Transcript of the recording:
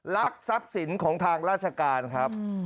รักซักสินของทางราชกาลครับ